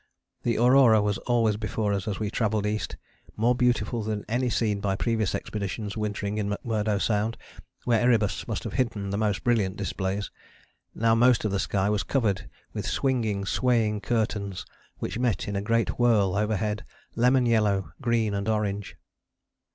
The aurora was always before us as we travelled east, more beautiful than any seen by previous expeditions wintering in McMurdo Sound, where Erebus must have hidden the most brilliant displays. Now most of the sky was covered with swinging, swaying curtains which met in a great whirl overhead: lemon yellow, green and orange.